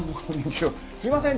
すいません